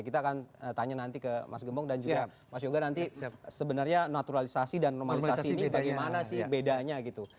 kita akan tanya nanti ke mas gembong dan juga mas yoga nanti sebenarnya naturalisasi dan normalisasi ini bagaimana sih bedanya gitu